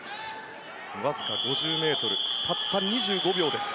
わずか５０ｍたった２５秒です。